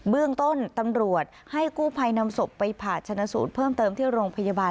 เรื่องต้นตำรวจให้กู้ภัยนำศพไปผ่าชนะสูตรเพิ่มเติมที่โรงพยาบาล